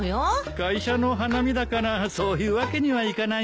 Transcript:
会社の花見だからそういうわけにはいかないよ。